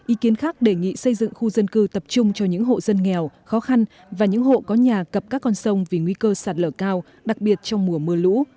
ý kiến khác đề nghị xây dựng khu dân cư tập trung cho những hộ dân nghèo khó khăn và những hộ có nhà cập các con sông vì nguy cơ sạt lở cao đặc biệt trong mùa mưa lũ